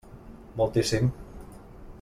Moltíssim.